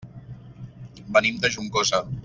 Venim de Juncosa.